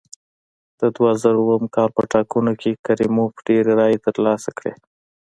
د دوه زره اووه کال په ټاکنو کې کریموف ډېرې رایې ترلاسه کړې.